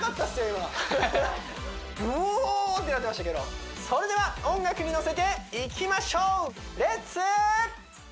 今ブオ！ってなってましたけどそれでは音楽にのせていきましょう！